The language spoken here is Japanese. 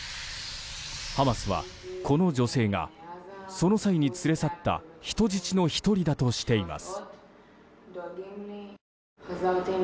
ハマスは、この女性がその際に連れ去った人質の１人だとしています。